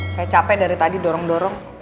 saya capek dari tadi dorong dorong